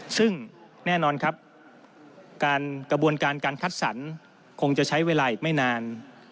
ซึ่งแน่นอนครับการกระบวนการการคัดสรรคงจะใช้เวลาอีกไม่นาน